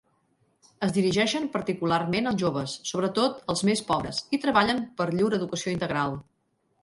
Es dirigeixen particularment als joves, sobretot als més pobres, i treballen per llur educació integral.